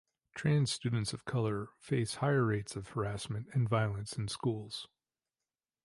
Trans students of color face higher rates of harassment and violence in schools.